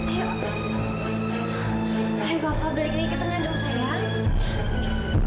ayo kava balik balik ke tengah dulu sayang